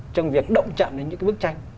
trong việc động chặn đến những cái bức tranh